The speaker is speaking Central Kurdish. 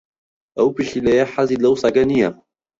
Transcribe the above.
ئەو پشیلەیە حەزی لەو سەگە نییە.